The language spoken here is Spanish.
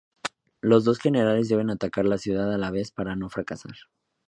Los dos generales deben atacar la ciudad a la vez para no fracasar.